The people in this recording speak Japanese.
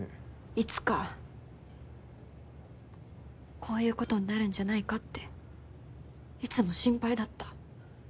いつかこういうことになるんじゃないかっていつも心配だった。